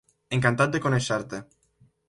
Encantat de conèixer-te.